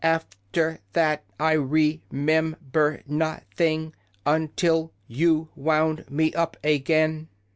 Af ter that I re mem ber noth ing un til you wound me up a gain."